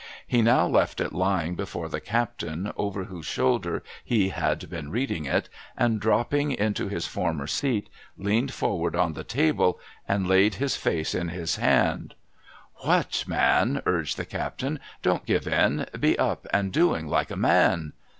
He now left it lying before the captain, over whose shoulder he had been reading it, and droi)ping into his former seat, leaned forward on the table and laid his face in his hands. 'What, man,' urged the captain, 'don't give in I Be up and doing like a man